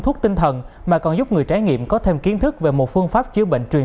thuốc tinh thần mà còn giúp người trải nghiệm có thêm kiến thức về một phương pháp chữa bệnh truyền